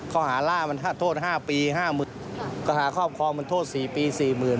เพราะหาร่ามันถ้าโทษ๕ปี๕หมื่นก็หาครอบครองมันโทษ๔ปี๔หมื่น